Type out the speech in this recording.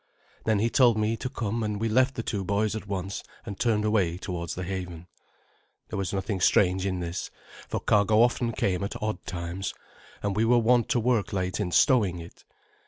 Then he told me to come, and we left the two boys at once and turned away towards the haven. There was nothing strange in this, for cargo often came at odd times, and we were wont to work late in stowing it.